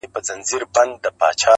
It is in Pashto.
هغه وخت سخت په عجیب کیفیت کې وم